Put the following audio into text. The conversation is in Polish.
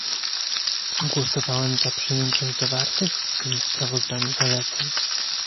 Głosowałem za przyjęciem zawartych w tym sprawozdaniu zaleceń